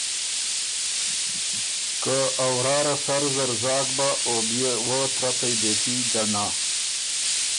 که ا ورا ره سر زر زاک بۀ، او بيې وۀ ترپئ دېکي ځنا